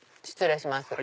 失礼します。